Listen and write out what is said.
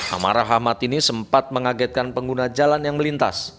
amarah ahmad ini sempat mengagetkan pengguna jalan yang melintas